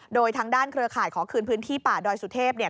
โดยทางด้านเครือข่ายขอคืนพื้นที่ป่าดอยสุเทพเนี่ย